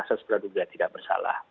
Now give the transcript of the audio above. asas peradugaan tidak bersalah